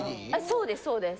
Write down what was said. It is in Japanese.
そうですそうです。